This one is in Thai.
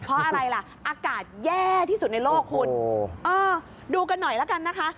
เพราะอะไรล่ะอากาศแย่ที่สุดในโลกคุณเออดูกันหน่อยละกันนะคะ